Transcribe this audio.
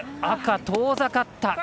赤、遠ざかった。